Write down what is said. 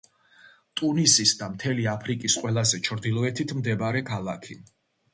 ტუნისის და მთელი აფრიკის ყველაზე ჩრდილოეთით მდებარე ქალაქი.